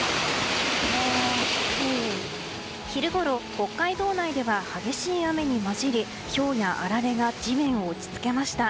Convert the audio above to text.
昼ごろ、北海道内では激しい雨に交じりひょうやあられが地面を打ち付けました。